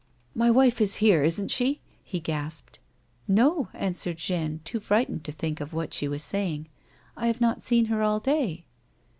" My wife is here, isn't she ?" he gasped. " No," answered Jeanne, too frightened to think of what she was saying ;" I have not seen her at all to day."